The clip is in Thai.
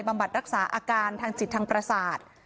บัดรักษาอาการทางจิตทางประสาท